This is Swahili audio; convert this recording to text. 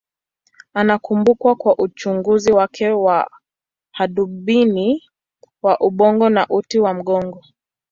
Anakumbukwa kwa uchunguzi wake wa hadubini wa ubongo na uti wa mgongo.